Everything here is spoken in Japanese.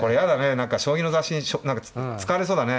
何か将棋の雑誌に使われそうだね。